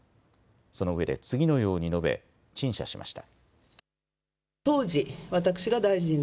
そのうえで次のように述べ陳謝しました。